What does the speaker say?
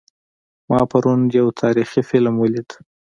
ما پرون یو تاریخي فلم ولید